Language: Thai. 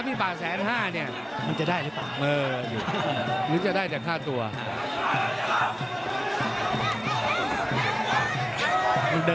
พี่ตใจที่จะแพ้